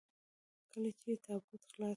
کله چې يې تابوت خلاص کړ.